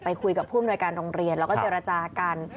คุยกับผู้อำนวยการโรงเรียนแล้วก็เจรจากัน